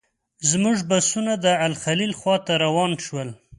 زموږ بسونه د الخلیل خواته روان شول.